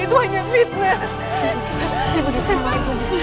itu hanya fitnah